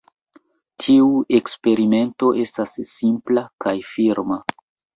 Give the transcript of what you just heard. Tiu eksperimento estas simpla kaj firma.